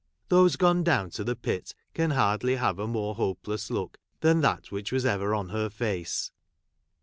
Those gone down to the pit can hardly have a more hopeless look than that wliich was ever on her face.